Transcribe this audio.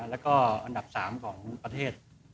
แล้วก็อันดับ๓ของประเทศ